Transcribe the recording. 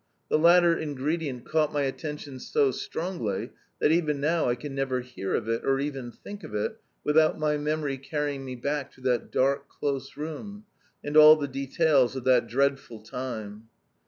The latter ingredient caught my attention so strongly that even now I can never hear of it, or even think of it, without my memory carrying me back to that dark, close room, and all the details of that dreadful time.